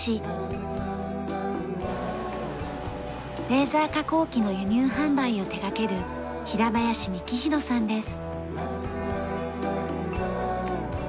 レーザー加工機の輸入販売を手がける平林幹博さんです。